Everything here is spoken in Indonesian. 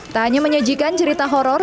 tak hanya menyajikan cerita horror